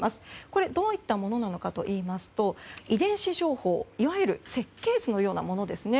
これはどういったものなのかといいますと遺伝子情報、いわゆる設計図のようなものですね。